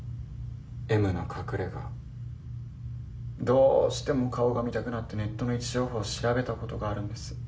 Ｍの隠れ家どうしても顔が見たくなってネットの位置情報調べたことがあるんです